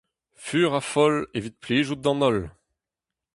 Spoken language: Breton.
Fur ha foll evit plijout d'an holl !